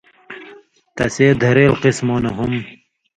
تسے دھرېل قِسمؤں نہ ہُم